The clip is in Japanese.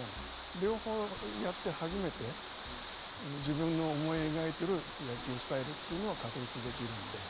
両方やって初めて自分の思い描いている野球スタイルというものを確立できるので。